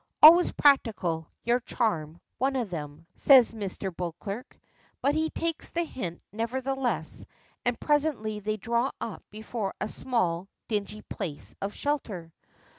"Always practical. Your charm one of them," says Mr. Beauclerk. But he takes the hint, nevertheless, and presently they draw up before a small, dingy place of shelter.